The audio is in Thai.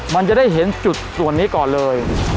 มันจะได้เห็นจุดส่วนนี้ก่อนเลย